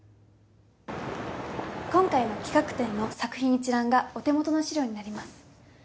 今回の企画展の作品一覧がお手元の資料になります